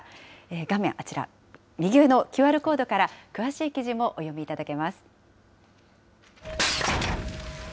画面、あちら右上のＱＲコードから詳しい記事もお読みいただけます。